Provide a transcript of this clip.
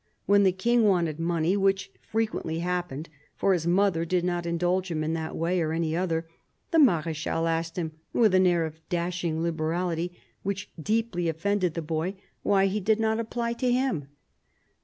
When the King wanted money — which frequently happened, for his mother did not indulge him in that way or any other — the Marechal asked him, with an air of dashing liberality which deeply offended the boy, why he had not applied to him.